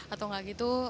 atau enggak gitu